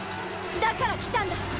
だから来たんだ！